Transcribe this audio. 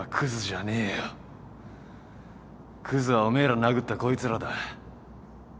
クズはおめえら殴ったこいつらだ。